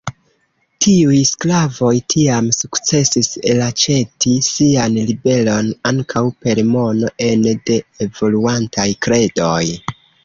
Tiuj sklavoj, tiam sukcesis elaĉeti sian liberon, ankaŭ per mono, ene de evoluantaj kredoj!